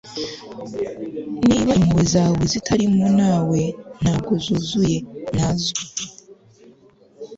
niba impuhwe zawe zitarimo nawe, ntabwo zuzuye. - ntazwi